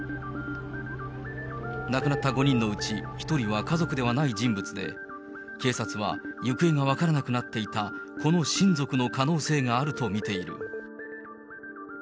亡くなった５人のうち１人は家族ではない人物で、警察は行方が分からなくなっていたこの親族の可能性があると見ている。